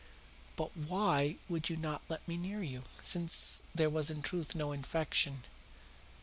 "But why would you not let me near you, since there was in truth no infection?"